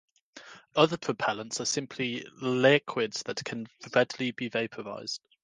Other propellants are simply liquids that can readily be vaporized.